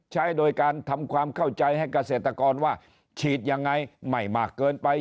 ใช้โดยการทำความเข้าใจให้เกษตรกรว่าฉีดยังไงไม่มากเกินไป